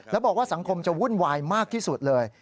แล้วบอกว่าสังคมจะวุ่นวายมากที่สุดเลย